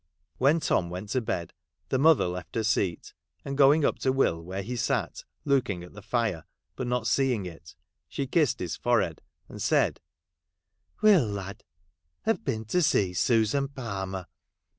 When Tom went to bed the mother left her seat, and going up to Will where he sat looking at the fire, but not seeing it, she kissed his forehead, and said, ' Will ! lad, I Ve been to see Susan Palmer